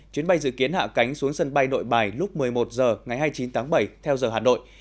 chuyến bay dự kiến hạ cánh xuống sân bay nội bài lúc một mươi một h ngày hai mươi chín tháng bảy theo giờ hà nội